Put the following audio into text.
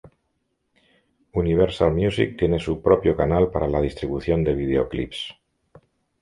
Universal Music tiene su propio canal para la distribución de vídeo clips.